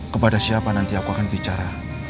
kepada siapa nanti aku akan bicara